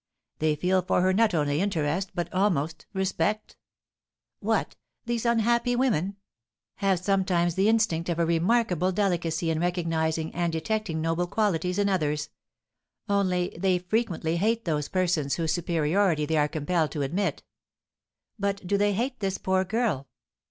"They feel for her not only interest, but almost respect." "What! these unhappy women " "Have sometimes the instinct of a remarkable delicacy in recognising and detecting noble qualities in others; only, they frequently hate those persons whose superiority they are compelled to admit." "But do they hate this poor girl?"